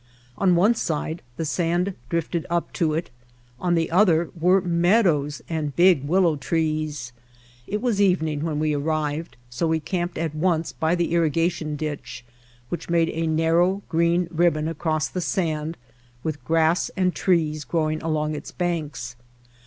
On one side the sand drifted up to it, on the other were meadows and big willow trees. It was evening when we arrived, so we camped at once by the irrigation ditch which made a narrow green ribbon across the sand with grass and trees growing along its banks.